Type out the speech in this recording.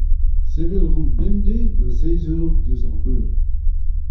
sevel a ran bemdez da seizh eur diouzh ar beure.